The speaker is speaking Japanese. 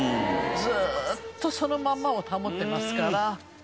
ずーっとそのまんまを保ってますから。